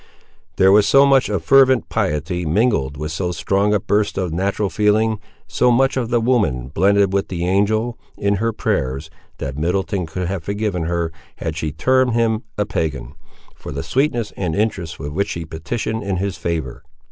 There was so much of fervent piety, mingled with so strong a burst of natural feeling, so much of the woman blended with the angel, in her prayers, that Middleton could have forgiven her, had she termed him a Pagan, for the sweetness and interest with which she petitioned in his favour.